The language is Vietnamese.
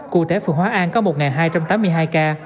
cụ thể phường hóa an có một hai trăm tám mươi hai ca